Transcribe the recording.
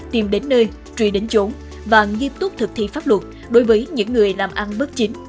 tìm đến nơi truy đến chỗ và nghiêm túc thực thi pháp luật đối với những người làm ăn bất chính